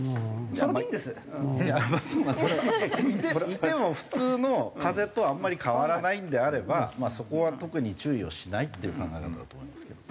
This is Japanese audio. いても普通の風邪とあんまり変わらないのであればそこは特に注意をしないっていう考え方だと思いますけど。